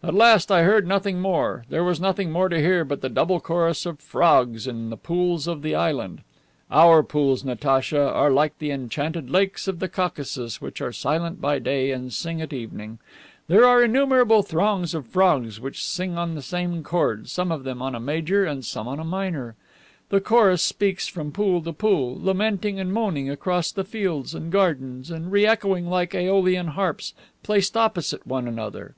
At last, I heard nothing more, there was nothing more to hear but the double chorus of frogs in the pools of the island. Our pools, Natacha, are like the enchanted lakes of the Caucasus which are silent by day and sing at evening; there are innumerable throngs of frogs which sing on the same chord, some of them on a major and some on a minor. The chorus speaks from pool to pool, lamenting and moaning across the fields and gardens, and re echoing like AEolian harps placed opposite one another."